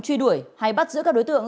truy đuổi hay bắt giữ các đối tượng